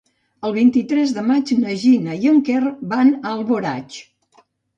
El vint-i-tres de maig na Gina i en Quer van a Alboraig.